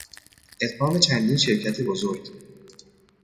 ادغام چندین شرکت بزرگ